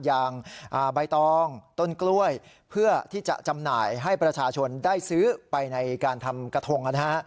อย่างใบตองต้นกล้วยเพื่อที่จะจำหน่ายให้ประชาชนได้ซื้อไปในการทำกระทง